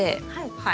はい。